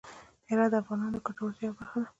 هرات د افغانانو د ګټورتیا یوه برخه ده.